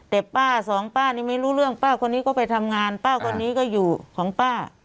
แต่ป้าสองป้านี่ไม่รู้เรื่องป้าคนนี้ก็ไปทำงานป้าคนนี้ก็อยู่ของป้า